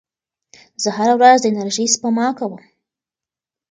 زه هره ورځ د انرژۍ سپما کوم.